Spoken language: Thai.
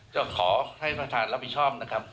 ก็ขอให้ประธานรับผิดชอบนะครับ